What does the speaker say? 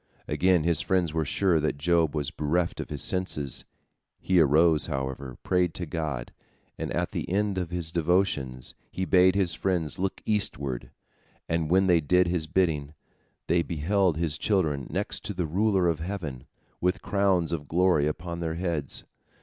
Again his friends were sure that Job was bereft of his senses. He arose, however, prayed to God, and at the end of his devotions, he bade his friends look eastward, and when they did his bidding, they beheld his children next to the Ruler of heaven, with crowns of glory upon their heads.